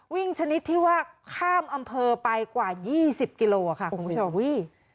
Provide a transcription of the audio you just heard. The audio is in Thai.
ชนิดที่ว่าข้ามอำเภอไปกว่า๒๐กิโลค่ะคุณผู้ชมอุ้ย